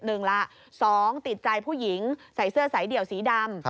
หนึ่งล่ะสองติดใจผู้หญิงใส่เสื้อสายเดี่ยวสีดำ